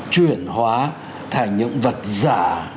chuyển hóa thành những vật giả